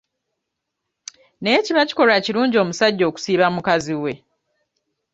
Naye kiba kikolwa kirungi omusajja okusiiba mukazi we?